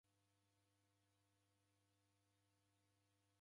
Mdi gho-oma